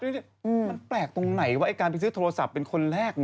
มันแปลกตรงไหนว่าการไปซื้อโทรศัพท์เป็นคนแรก